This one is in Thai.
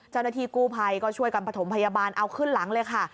เจ้าหน้าที่กู้ภัยก็ช่วยกันประถมพยาบาลเอาขึ้นหลังเลยค่ะ